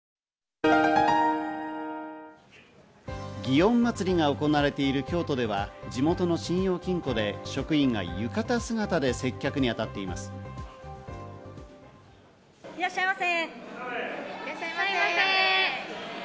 祇園祭が行われている京都では地元の信用金庫で職員が浴衣姿で接客に当たっています。